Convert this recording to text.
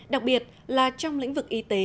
đặc biệt là trong lĩnh vực y tế